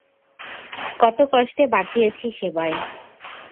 কত কষ্টে বাঁচিয়েছি সেবায়।